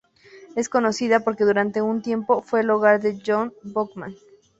Es conocida porque durante un tiempo fue el hogar de John Buchan.